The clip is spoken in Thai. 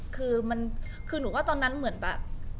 คือหนูว่าตอนนั้นเหมือนแบบ